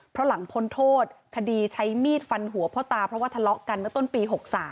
เพราะหลังพ้นโทษคดีใช้มีดฟันหัวพ่อตาเพราะว่าทะเลาะกันเมื่อต้นปี๖๓